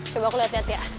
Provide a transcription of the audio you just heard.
coba aku liat liat ya